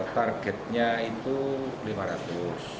bagetnya itu lima ratus